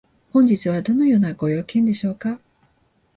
本日はどのようなご用件でしょうか？